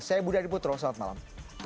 saya budha diputro selamat malam